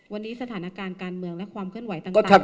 วันนี้สถานการณ์การเมืองและความเคลื่อนไหวต่าง